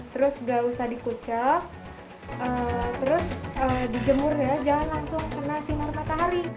terus nggak usah dikucap terus dijemur ya jangan langsung kena sinar matahari